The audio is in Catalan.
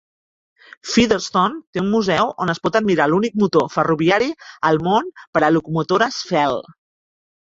Featherston té un museu on es pot admirar l'únic motor ferroviari al món per a locomotores Fell.